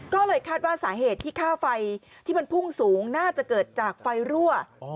ก็เลยคาดว่าสาเหตุที่ค่าไฟที่มันพุ่งสูงน่าจะเกิดจากไฟรั่ว